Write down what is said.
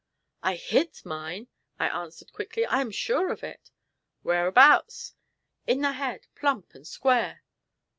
"I hit mine," I answered quickly; "I am sure of it." "Whereabouts?" "In the head, plump and square."